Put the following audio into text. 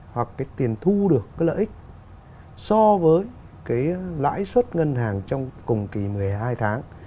hoặc tiền thu được lợi ích so với lãi suất ngân hàng trong cùng kỳ một mươi hai tháng